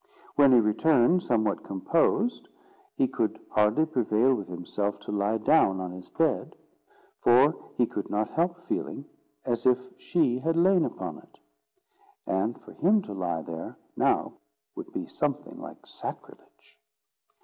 When he returned, somewhat composed, he could hardly prevail with himself to lie down on his bed; for he could not help feeling as if she had lain upon it; and for him to lie there now would be something like sacrilege.